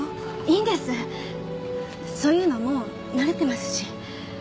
そういうのもう慣れてますし。